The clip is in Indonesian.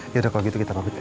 yaudah kalau gitu kita pergi